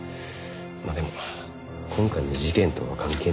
まあでも今回の事件とは関係ないですよね。